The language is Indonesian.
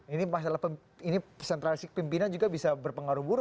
ini masalah ini sentralisasi pimpinan juga bisa berpengaruh buruk